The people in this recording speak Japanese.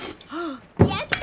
やった！